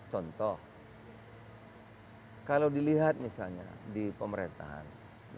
contoh kalau dilihat misalnya di pemerintahan